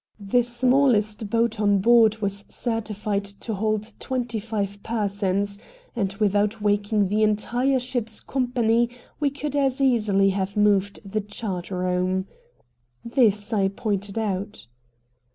The smallest boat on board was certified to hold twenty five persons, and without waking the entire ship's company we could as easily have moved the chart room. This I pointed out.